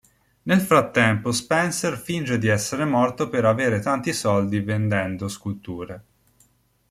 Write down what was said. Nel frattempo Spencer finge di essere morto per avere tanti soldi vendendo sculture.